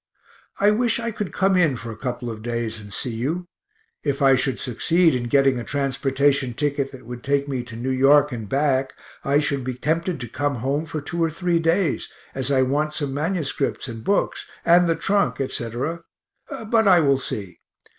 I wish I could come in for a couple of days and see you; if I should succeed in getting a transportation ticket that would take me to New York and back I should be tempted to come home for two or three days, as I want some MSS. and books, and the trunk, etc. but I will see.